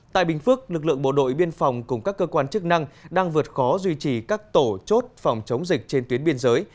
tại bình phước lực lượng bộ đội biên phòng cùng các cơ quan chức năng đang vượt khó duy trì các tổ chốt phòng chống dịch trên tuyến biên giới